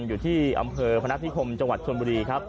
อยู่ที่อำเภอพนัฐนิคมจังหวัดชนบุรีครับ